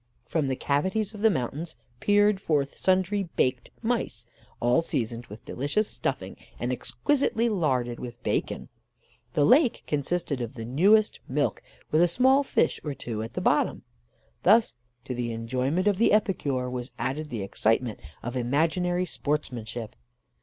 From the cavities of the mountain peered forth sundry baked mice, all seasoned with delicious stuffing and exquisitely larded with bacon. The lake consisted of the newest milk, with a small fish or two at the bottom. Thus, to the enjoyment of the epicure, was added the excitement of imaginary sportsmanship.